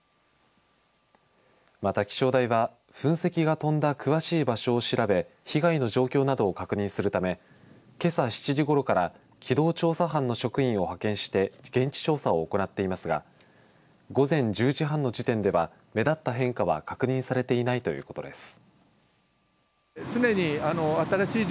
また気象台は噴石が飛んだ詳しい場所を調べ被害の状況などを確認するためけさ７時ごろから機動調査班の職員を派遣して現地調査を行っていますが午前１０時半の時点では目立った変化は確認されていないということです。